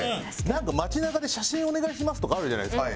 街なかで「写真お願いします」とかあるじゃないですか。